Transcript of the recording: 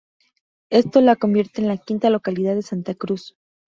Esto la convierte en la quinta localidad de Santa Cruz.